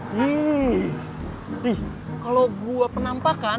ih ih kalo gue penampakan